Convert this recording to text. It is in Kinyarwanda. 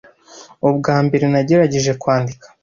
Ubwa mbere nagerageje kwandika